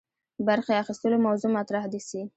برخي اخیستلو موضوع مطرح سي.